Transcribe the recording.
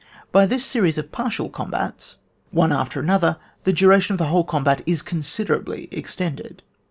By this series of partial combats, onB after another, the duration of the whole combat is considerably extended.